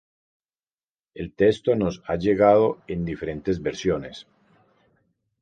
El texto nos ha llegado en diferentes versiones.